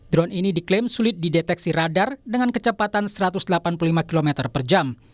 drone ini diklaim sulit dideteksi radar dengan kecepatan satu ratus delapan puluh lima km per jam